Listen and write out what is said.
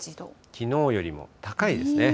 きのうよりも高いですね。